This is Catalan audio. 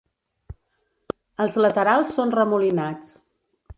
Els laterals són remolinats.